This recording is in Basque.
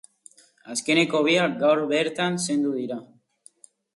Azkeneko biak gaur bertan zendu dira.